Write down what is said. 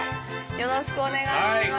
よろしくお願いします。